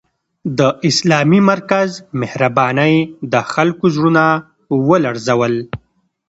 د اسلامي مرکز مهربانۍ د خلکو زړونه ولړزول